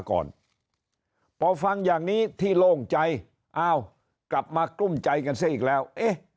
ก่อนพอฟังอย่างนี้ที่โล่งใจอ้าวกลับมากลุ้มใจกันซะอีกแล้วเอ๊ะ